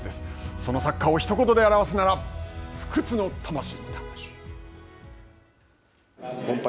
そのサッカーをひと言で表すなら、不屈の魂。